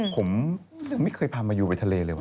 ผมยังไม่เคยพามายูไปทะเลเลยว่